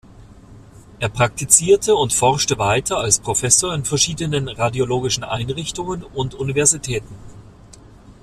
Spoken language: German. Er praktizierte und forschte weiter als Professor in verschiedenen radiologischen Einrichtungen und Universitäten.